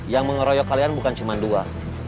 yang mengeroyok kalian bukan cuma dua